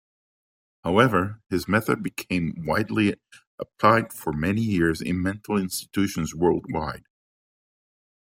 However, his method became widely applied for many years in mental institutions worldwide.